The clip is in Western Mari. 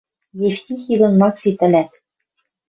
Евтихи дон Макси тӹлӓт